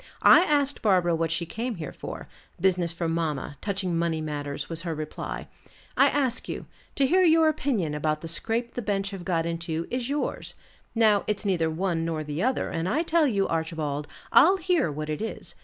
I asked Barbara what she came here for; business for mamma, touching money matters, was her reply. I ask you: to hear your opinion about the scrape the bench have got into, is yours. Now, it's neither one nor the other; and I tell you, Archibald, I'll hear what it is.